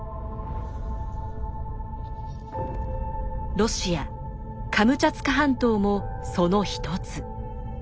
ロシアカムチャツカ半島もその一つ。